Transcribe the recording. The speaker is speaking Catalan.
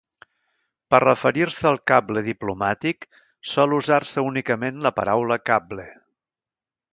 Per referir-se al cable diplomàtic, sol usar-se únicament la paraula cable.